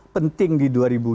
penting di dua ribu dua puluh